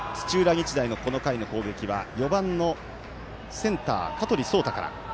日大のこの回の攻撃は４番のセンター、香取蒼太から。